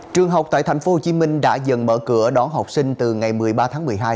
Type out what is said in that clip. trường học tại tp hcm đã dần mở cửa đón học sinh từ ngày một mươi ba tháng một mươi hai